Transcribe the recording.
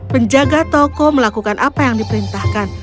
penjaga toko melakukan apa yang diperintahkan